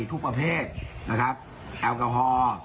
ทุกประเภทแอลกอฮอล์